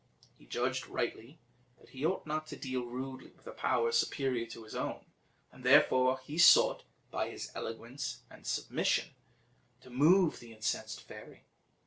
He judged rightly, that he ought not to deal rudely with a power superior to his own, and therefore he sought, by his eloquence and submission, to move the incensed fairy.